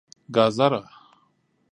🥕 ګازره